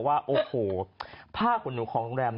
ไม่เคยถามลูกบ้าน